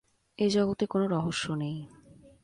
এ জগতে কোনো রহস্য নেই।